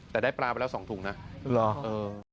แต่ได้ปลาไปแล้ว๒ถุงนะเหรอเออ